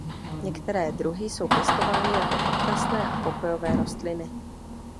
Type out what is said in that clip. Některé druhy jsou pěstovány jako okrasné a pokojové rostliny.